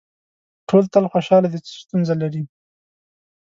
ټول تل خوشاله دي څه ستونزه لري.